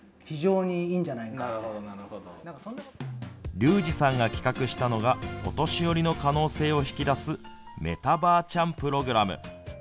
竜二さんが企画したのはお年寄りの可能性を引き出すメタばあちゃんプログラム。